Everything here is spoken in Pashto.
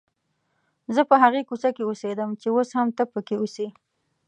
زه په هغې کوڅې کې اوسېدم چې اوس هم ته پکې اوسې.